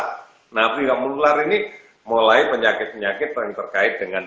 nah penyakit menular ini mulai penyakit penyakit yang terkait dengan